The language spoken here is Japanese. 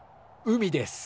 海です。